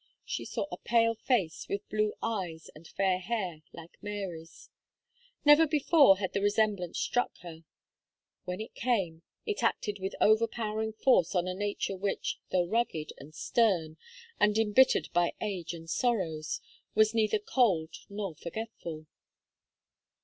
She saw a pale face, with blue eyes and fair hair, like Mary's. Never before had the resemblance struck her; when it came, it acted with overpowering force on a nature which, though rugged, and stern, and embittered by age and sorrows, was neither cold nor forgetful.